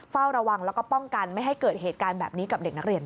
พอพอพอพอพ